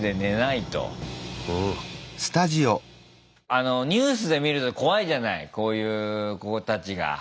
あのニュースで見ると怖いじゃないこういう子たちが。